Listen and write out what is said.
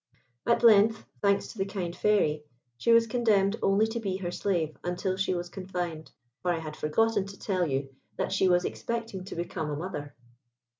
At length, thanks to the kind Fairy, she was condemned only to be her slave until she was confined, for I had forgotten to tell you that she was expecting to become a mother.